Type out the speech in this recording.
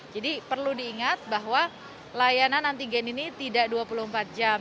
jadi perlu diingat bahwa layanan antigen ini tidak dua puluh empat jam